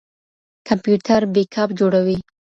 کمپيوټر بیک اپ جوړوي.